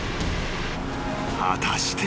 ［果たして］